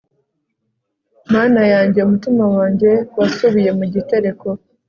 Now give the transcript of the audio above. mana yanjye, umutima wanjye wasubiye mu gitereko